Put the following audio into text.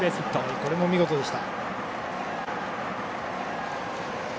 これも見事でした。